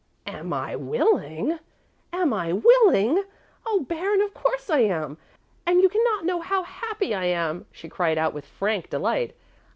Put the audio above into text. "Am I willing? am I willing? Oh, Baron, of course I am, and you cannot know how happy I am," she cried out with frank delight.